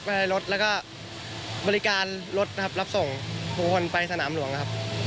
ไปรถแล้วก็บริการรถรับส่งผู้คนไปสนามหลวงครับ